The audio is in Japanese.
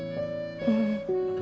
うん。